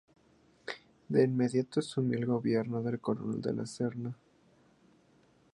De inmediato asumió el gobierno el coronel De la Serna.